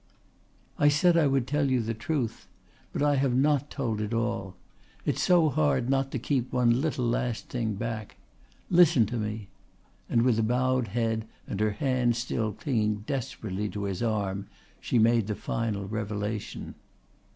"I said I would tell you the truth. But I have not told it all. It's so hard not to keep one little last thing back. Listen to me"; and with a bowed head and her hand still clinging desperately to his arm she made the final revelation.